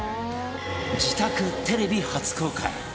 自宅テレビ初公開！